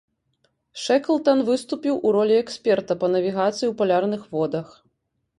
Шэклтан выступіў у ролі эксперта па навігацыі ў палярных водах.